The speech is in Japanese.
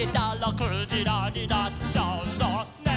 「くじらになっちゃうのね」